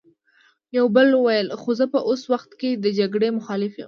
يوه بل وويل: خو زه په اوس وخت کې د جګړې مخالف يم!